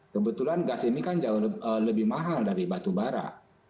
kebetulan gas ini kan jauh lebih mahal dari batu bara